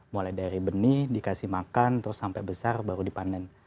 mulai dari benih dikasih makan terus sampai besar baru dipanen